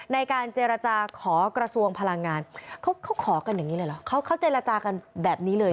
ในการเจรจาขอกระทรวงพลังงานเขาขอกันอย่างนี้เลยเหรอเขาเจรจากันแบบนี้เลย